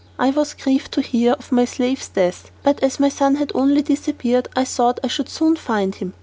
I was grieved to hear of my slave's death, but as my son had only disappeared, I thought I should soon find him.